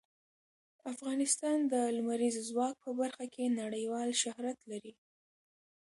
افغانستان د لمریز ځواک په برخه کې نړیوال شهرت لري.